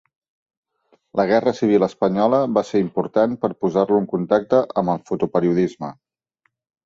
La Guerra Civil Espanyola va ser important per posar-lo en contacte amb el fotoperiodisme.